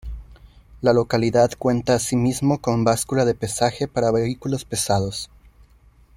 La localidad cuenta asimismo con báscula de pesaje para vehículos pesados.